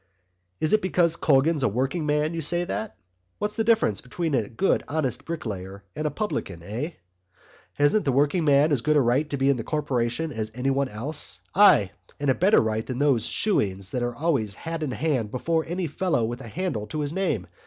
"It is because Colgan's a working man you say that? What's the difference between a good honest bricklayer and a publican—eh? Hasn't the working man as good a right to be in the Corporation as anyone else—ay, and a better right than those shoneens that are always hat in hand before any fellow with a handle to his name?